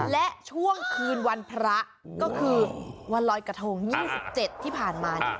และช่วงคืนวันพระก็คือวันลอยกระทง๒๗ที่ผ่านมา